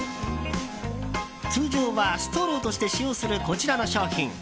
通常はストローとして使用するこちらの商品。